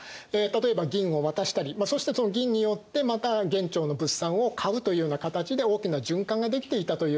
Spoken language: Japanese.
例えば銀を渡したりそしてその銀によってまた元朝の物産を買うというような形で大きな循環ができていたということになりますね。